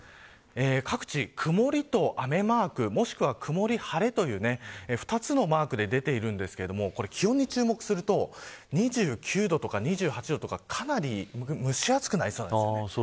各地曇りと雨マークもしくは曇り、晴れという２つのマークが出ているんですが気温に注目すると２９度とか２８度とかかなり蒸し暑くなりそうなんです。